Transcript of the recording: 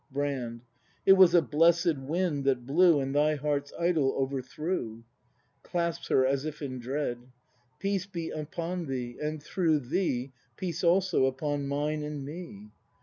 Brand. It was a blessed wind that blew And thy heart's idol overthrew! [Clasps her as if in dread.] Peace be upon thee — and, through thee, Peace also upon mine and me!